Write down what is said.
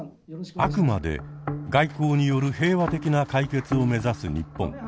あくまで外交による平和的な解決を目指す日本。